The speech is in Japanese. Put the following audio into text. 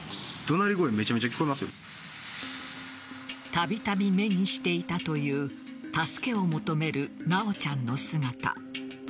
たびたび目にしていたという助けを求める修ちゃんの姿。